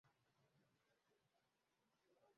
Twakodesheje ikamyo yo kwimura ibikoresho byacu.